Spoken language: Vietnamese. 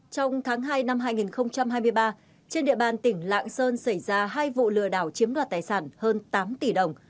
trong tháng hai năm hai nghìn hai mươi ba trên địa bàn tỉnh lạng sơn xảy ra hai vụ lừa đảo chiếm đoạt tài sản hơn tám tỷ đồng